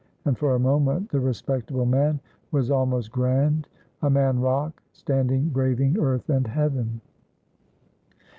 And for a moment the respectable man was almost grand; a man rock standing braving earth and heaven.